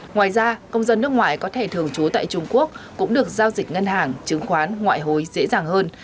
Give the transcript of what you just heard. ngoài ra công dân nước ngoài có thể thường trú tại trung quốc cũng được giao dịch ngân hàng chứng khoán ngoại hối dễ dàng hơn